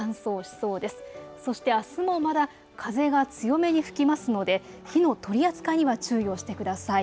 そして、あすもまだ風が強めに吹きますので火の取り扱いには注意をしてください。